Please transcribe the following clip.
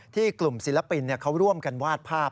กลุ่มศิลปินเขาร่วมกันวาดภาพ